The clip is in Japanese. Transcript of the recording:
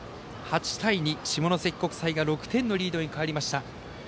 ８対２、下関国際が６点のリードに変わりました。